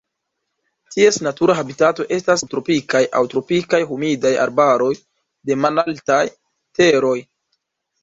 Ties natura habitato estas subtropikaj aŭ tropikaj humidaj arbaroj de malaltaj teroj.